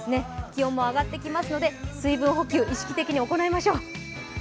気温も上がってきますので、水分補給意識的に行いましょう。